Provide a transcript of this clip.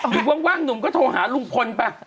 หรือว่างหนุ่มก็โทรหาลูกคนป่ะ